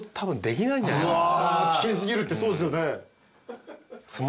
危険過ぎるってそうですよね。